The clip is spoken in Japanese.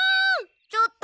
ちょっと！